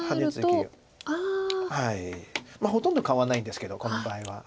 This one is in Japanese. ほとんどかわんないんですけどこの場合は。